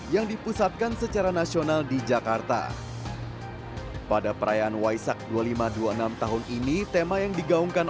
yang dipusatkan secara nasional di jakarta pada perayaan waisak dua ribu lima ratus dua puluh enam tahun ini tema yang digaungkan